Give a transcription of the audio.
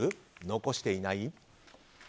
残していない？